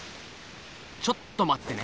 ちょっと待ってね。